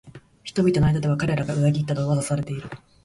人々の間では彼らが裏切ったと噂されている